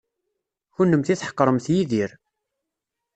Kennemti tḥeqremt Yidir.